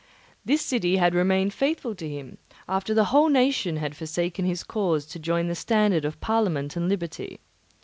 This city had remained faithful to him, after the whole nation had forsaken his cause to join the standard of Parliament and liberty.